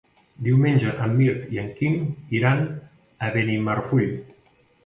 Diumenge en Mirt i en Quim iran a Benimarfull.